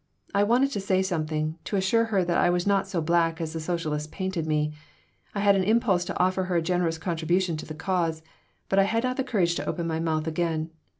I wanted to say something, to assure her that I was not so black as the socialists painted me. I had an impulse to offer her a generous contribution to the cause, but I had not the courage to open my mouth again.